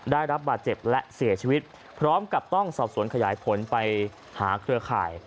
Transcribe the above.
ได้รับบาดเจ็บและเสียชีวิตพร้อมกับต้องสอบสวนขยายผลไปหาเครือข่าย